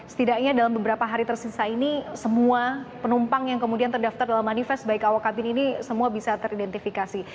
setidaknya dalam beberapa hari tersisa ini semua penumpang yang kemudian terdaftar dalam manifest baik awak kabin ini semua bisa teridentifikasi